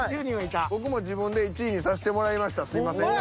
僕も自分で１位にさしてもらいましたすいません。